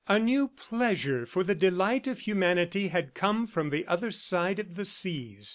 A new pleasure for the delight of humanity had come from the other side of the seas.